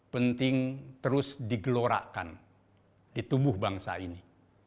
penting terus digelorakan di tubuh bangsa ini